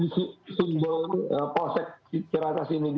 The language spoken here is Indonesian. betul ketika polsec ciracas diserang di bakar kan itu simbol